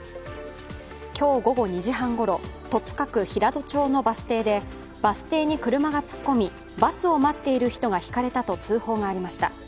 今日午後２時半ごろ戸塚区平戸町のバス停でバス停に車が突っ込み、バスを待っている人がひかれたと通報がありました。